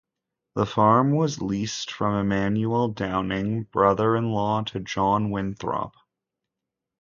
The farm was leased from Emmanuel Downing, brother-in-law to John Winthrop.